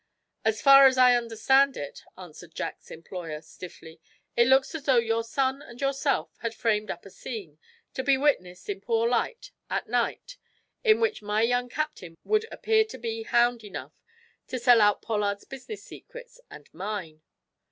"As far as I understand it," answered Jack's employer, stiffly, "it looks as though your son and yourself had framed up a scene, to be witnessed in poor light, at night, in which my young captain would appear to be hound enough to sell out Pollard's business secrets, and mine."